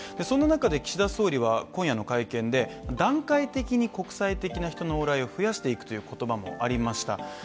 そんな中で、岸田総理は今夜の会見で、段階的に国際的な人の往来を増やしていくという言葉もありました。